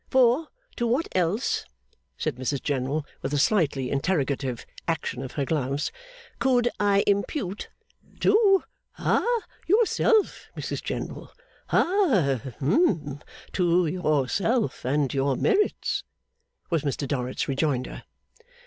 For, to what else,' said Mrs General, with a slightly interrogative action of her gloves, 'could I impute ' 'To ha yourself, Mrs General. Ha, hum. To yourself and your merits,' was Mr Dorrit's rejoinder.